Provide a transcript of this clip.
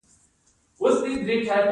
د سنجد ګل ډیر خوشبويه وي.